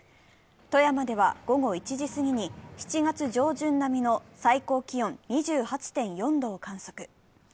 富山では午後１時すぎに７月上旬並みの最高気温２８．４度を観測。